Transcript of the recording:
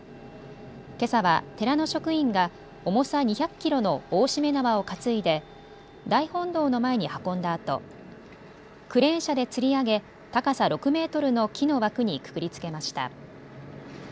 けさは寺の職員が重さ２００キロの大しめ縄を担いで大本堂の前に運んだあとクレーン車でつり上げ高さ６メートルの木の枠にくくりつけました。